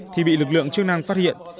thì bị lực lượng chức năng phát hiện